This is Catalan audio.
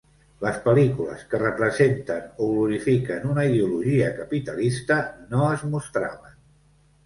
Les pel·lícules que representen o glorifiquen una ideologia capitalista no es mostraven.